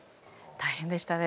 大変でしたね。